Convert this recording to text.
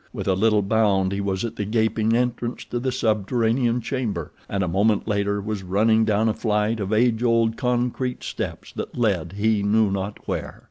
With a little bound he was at the gaping entrance to the subterranean chamber, and a moment later was running down a flight of age old concrete steps that led he knew not where.